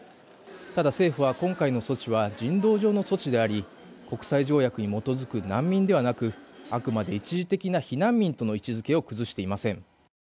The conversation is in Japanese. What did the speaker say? ただ政府は今回の措置は人道上の措置であり国際条約に基づく難民ではなくあくまで一時的な避難民との位置づけを崩していません。